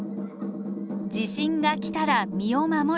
「地震が来たら身を守る」。